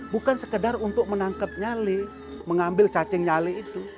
bukan sekedar untuk menangkap nyale mengambil cacing nyale itu